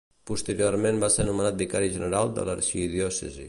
Posteriorment va ser nomenat vicari general de l'arxidiòcesi.